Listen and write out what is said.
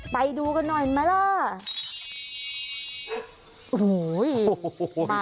ไปดูกันหน่อยไหมล่ะ